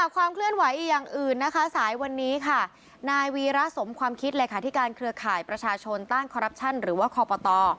ความคิดรายคาธิการเครือข่ายประชาชนต้านคอรับชั่นหรือว่าคอปต